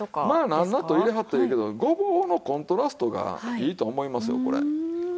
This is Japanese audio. まあなんなと入れはったらいいけどごぼうのコントラストがいいと思いますよこれ。